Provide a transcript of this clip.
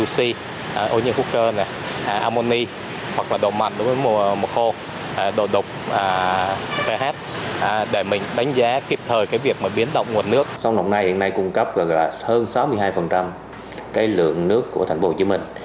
sông đồng nai hiện nay cung cấp hơn sáu mươi hai lượng nước của tp hcm